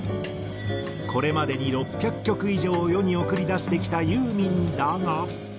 これまでに６００曲以上を世に送り出してきたユーミンだが。